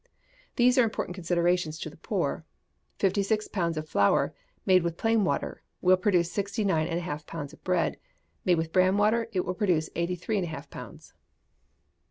These are important considerations to the poor. Fifty six pounds of flour, made with plain water, would produce sixty nine and a half pounds of bread; made with bran water, it will produce eighty three and a half pounds.